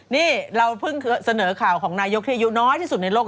นี่เราเพิ่งเสนอข่าวของนายกที่อายุน้อยที่สุดในโลก